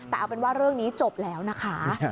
แต่เอาเป็นว่าเรื่องนี้จบแล้วนะคะ